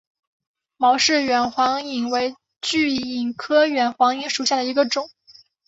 毛氏远环蚓为巨蚓科远环蚓属下的一个种。